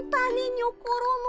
にょころの。